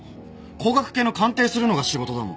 工学系の鑑定するのが仕事だもん。